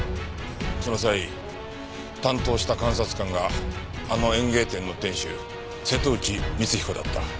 その際担当した監察官があの園芸店の店主瀬戸内光彦だった。